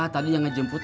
tadi yang ngejemput